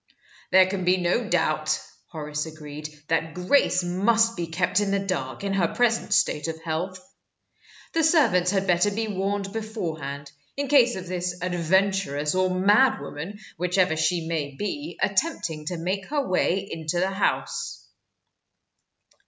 "There can be no doubt," Horace agreed, "that Grace must be kept in the dark, in her present state of health. The servants had better be warned beforehand, in case of this adventuress or madwoman, whichever she may be, attempting to make her way into the house."